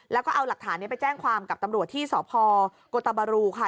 แล้วก็เอาหลักฐานนี้ไปแจ้งความกับตำรวจที่สพกตบรูค่ะ